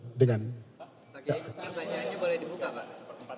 ini pertanyaannya boleh dibuka pak